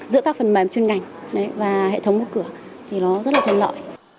giữa các phần mềm chuyên ngành và hệ thống một cửa thì nó rất là thuận lợi